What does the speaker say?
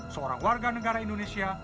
seorang warga negara indonesia